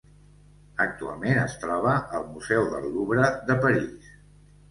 Actualment es troba al Museu del Louvre de París.